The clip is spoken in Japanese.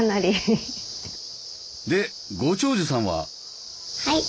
でご長寿さんは？